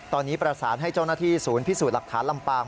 ตอนนี้ประสานให้เจ้าหน้าที่ศูนย์พิสูจน์หลักฐานลำปาง